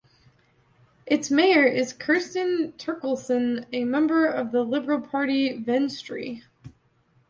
Its mayor is Kirsten Terkilsen, a member of the liberal party "Venstre".